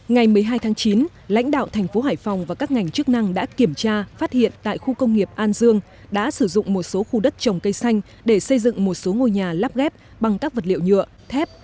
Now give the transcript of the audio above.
ngày một mươi hai tháng chín lãnh đạo thành phố hải phòng và các ngành chức năng đã kiểm tra phát hiện tại khu công nghiệp an dương đã sử dụng một số khu đất trồng cây xanh để xây dựng một số ngôi nhà lắp ghép bằng các vật liệu nhựa thép